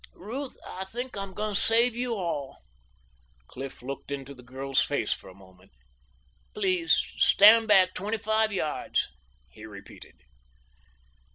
"Ruth, I think I'm going to save you all." Cliff looked into the girl's face for a moment. "Please stand back twenty five yards," he repeated.